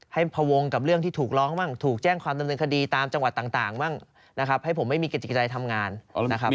พวงกับเรื่องที่ถูกร้องบ้างถูกแจ้งความดำเนินคดีตามจังหวัดต่างบ้างนะครับให้ผมไม่มีกระจิตใจทำงานนะครับ